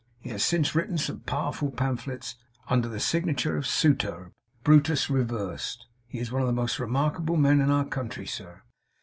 He has since written some powerful pamphlets, under the signature of "Suturb," or Brutus reversed. He is one of the most remarkable men in our country, sir.